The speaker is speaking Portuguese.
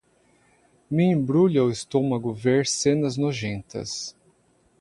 Me embrulha o estômago ver cenas nojentas.